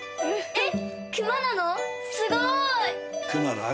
えっ？